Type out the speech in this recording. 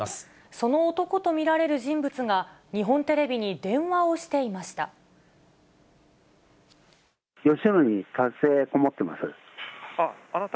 その男と見られる人物が、日本テレビに電話をしていました。